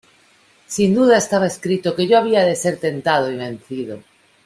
sin duda estaba escrito que yo había de ser tentado y vencido.